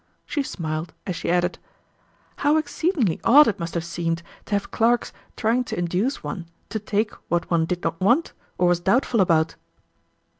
She smiled as she added, "How exceedingly odd it must have seemed to have clerks trying to induce one to take what one did not want, or was doubtful about!"